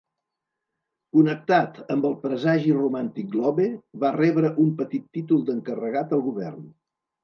Connectat amb el presagi romàntic "Globe", va rebre un petit títol d'encarregat al govern.